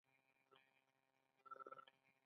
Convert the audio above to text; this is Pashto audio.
غیرت له مړانې سره مل وي